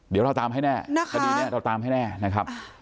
เดี๋ยวเราตามให้แน่นะคะคดีนี้เราตามให้แน่นะครับ